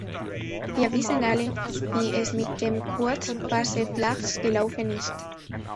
Wir wissen alle, wie es mit dem Kurzfaserflachs gelaufen ist.